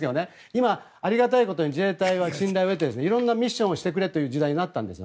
今、ありがたいことに自衛隊は信頼を得て色んなミッションをしてくれという時代になったんです。